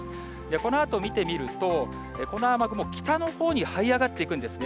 このあと見てみると、この雨雲、北のほうにはい上がっていくんですね。